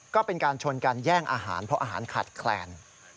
ก็เป็นการชนการแย่งอาหารเพราะอาหารขาดแคลน